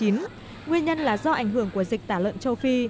nguyên nhân là do ảnh hưởng của dịch tả lợn châu phi